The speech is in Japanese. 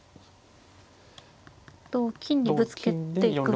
同金にぶつけていく。